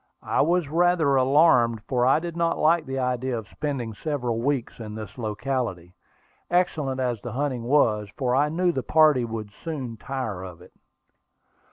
I was rather alarmed, for I did not like the idea of spending several weeks in this locality, excellent as the hunting was, for I knew that the party would soon tire of it.